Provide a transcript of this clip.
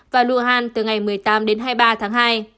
và luhansk từ ngày một mươi tám đến hai mươi ba tháng hai